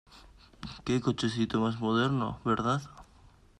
Qué cochecito más moderno, ¿verdad?